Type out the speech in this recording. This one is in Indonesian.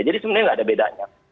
jadi sebenarnya tidak ada bedanya